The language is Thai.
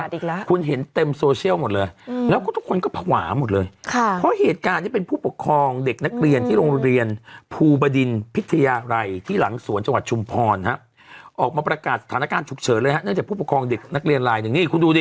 อีกแล้วคุณเห็นเต็มโซเชียลหมดเลยแล้วก็ทุกคนก็ภาวะหมดเลยค่ะเพราะเหตุการณ์นี้เป็นผู้ปกครองเด็กนักเรียนที่โรงเรียนภูบดินพิทยาไรที่หลังสวนจังหวัดชุมพรฮะออกมาประกาศสถานการณ์ฉุกเฉินเลยฮะเนื่องจากผู้ปกครองเด็กนักเรียนลายหนึ่งนี่คุณดูดิ